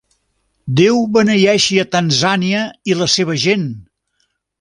Déu beneeixi a Tanzània i la seva gent!